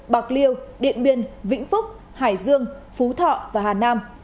bạc liêu điện biên vĩnh phúc hải dương phú thọ và hà nam